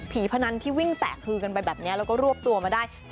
พนันที่วิ่งแตกคือกันไปแบบนี้แล้วก็รวบตัวมาได้